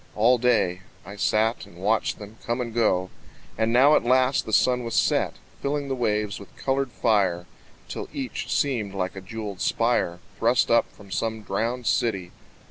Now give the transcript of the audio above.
All day I sat and watched them come and go; And now at last the sun was set, Filling the waves with colored fire Till each seemed like a jewelled spire Thrust up from some drowned city.